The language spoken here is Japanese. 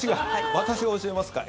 私が教えますか。